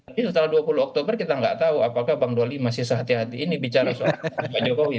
tapi setelah dua puluh oktober kita nggak tahu apakah bang doli masih sehati hati ini bicara soal pak jokowi